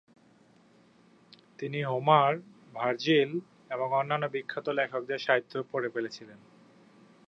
তিনি Homer, Virgil এবং অন্যান্য বিখ্যাত লেখকদের সাহিত্য পড়ে ফেলেছিলেন।